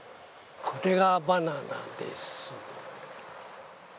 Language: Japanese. これがバナナです。